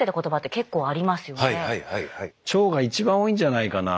腸が一番多いんじゃないかな。